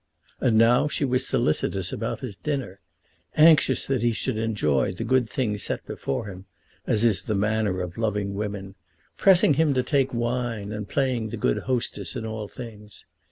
And now she was solicitous about his dinner, anxious that he should enjoy the good things set before him, as is the manner of loving women, pressing him to take wine, and playing the good hostess in all things.